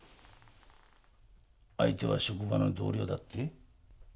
相手は職場の同僚だって？